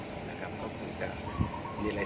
ถ้าไม่ได้ขออนุญาตมันคือจะมีโทษ